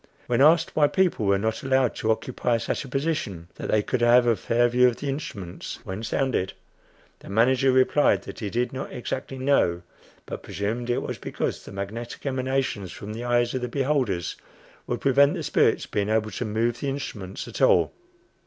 When asked why people were not allowed to occupy such a position, that they could have a fair view of the instruments when sounded, the "manager" replied that he did not exactly know, but presumed it was because the magnetic emanations from the eyes of the beholders would prevent the spirits being able to move the instruments at all!